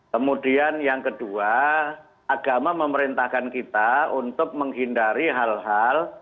kemudian yang kedua agama memerintahkan kita untuk menghindari hal hal